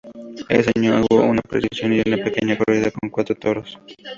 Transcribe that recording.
Ese año hubo una procesión y una pequeña corrida con cuatro toros.